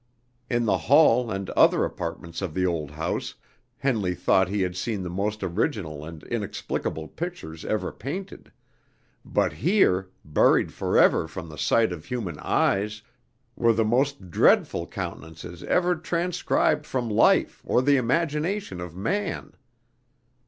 In the hall and other apartments of the old house, Henley thought he had seen the most original and inexplicable pictures ever painted; but here, buried forever from the sight of human eyes, were the most dreadful countenances ever transcribed from life or the imagination of man.